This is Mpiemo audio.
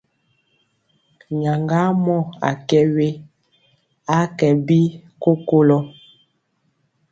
Nyaŋgamɔ a kɛ we, a kɛ bi kokolɔ.